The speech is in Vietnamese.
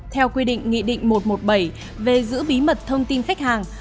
theo quy định nghị định một trăm một mươi bảy về giữ bí mật thông tin khách hàng